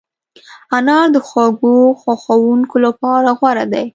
انار د خوږو خوښونکو لپاره غوره دی.